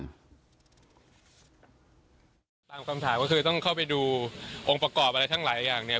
ตามคำถามก็คือต้องเข้าไปดูองค์ประกอบอะไรทั้งหลายอย่างเนี่ย